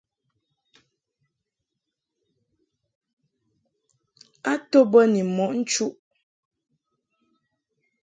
A to bə ni mɔʼ nchuʼ.